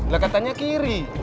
lah katanya kiri